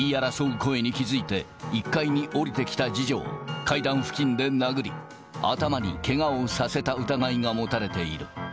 声に気付いて１階に下りてきた次女を階段付近で殴り、頭にけがをさせた疑いがもたれている。